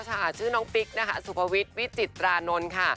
ชื่อน้องปิ๊กนะคะสุภวิทย์วิจิตรานนท์ค่ะ